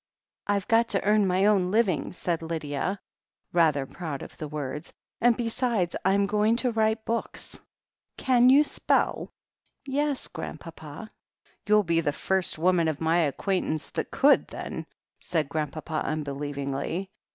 IVe got to earn my own living," said Lydia, rather 29 «T>. "( 30 THE HEEL OF ACHILLES proud of the words, "and besides, Vm going to write books." 'Can you spell?" 'Yes, Grandpapa." "You'll be the first woman of my acquaintance that could, then," said Grandpapa unbelievingly.